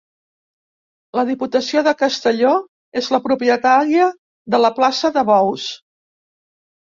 La Diputació de Castelló és la propietària de la plaça de bous.